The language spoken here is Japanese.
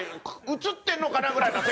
映ってるのかな？ぐらいの席。